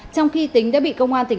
trong khi tính đã bị công an tỉnh